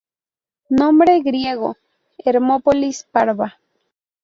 Nombre griego: Hermópolis Parva.